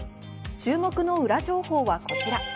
注目の裏情報はこちら。